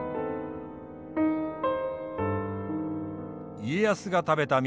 家康が食べた味